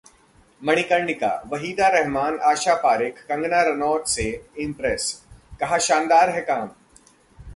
मणिकर्णिका: वहीदा रहमान-आशा पारेख, कंगना रनौत से इंप्रेस, कहा- शानदार है काम